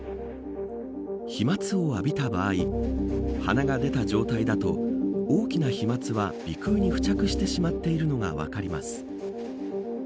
飛沫を浴びた場合鼻が出た状態だと大きな飛まつは、鼻腔に付着してしまっているのが分かります。